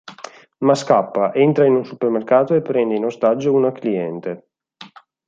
Ma scappa, entra in un supermercato e prende in ostaggio una cliente.